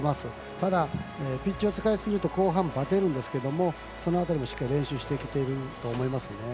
ただ、ピッチを使いすぎると後半、ばてるんですけどその辺りもしっかり練習してきてると思いますね。